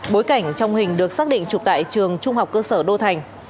bối cảnh trong hình được xác định trục tại trường trung học cơ sở đô thành